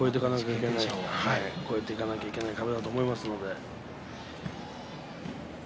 越えていかなければいけない壁だと思います。